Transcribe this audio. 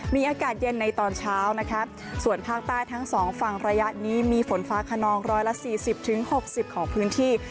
มีอากาศเย็นในตอนเช้านะครับส่วนภาคใต้ทั้งสองฝั่งระยะนี้มีฝนฟ้าขนองร้อยละสี่สิบถึงหกสิบของพื้นที่